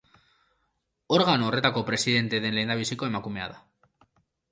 Organo horretako presidente den lehendabiziko emakumea da.